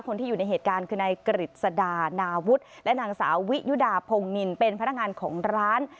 คนที่อยู่ในเหตุการณ์คือนายกฤษดานาวุฒิและนางสาววิยุดาพงนินเป็นพนักงานของร้าน